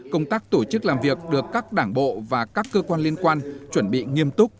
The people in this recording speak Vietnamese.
công tác tổ chức làm việc được các đảng bộ và các cơ quan liên quan chuẩn bị nghiêm túc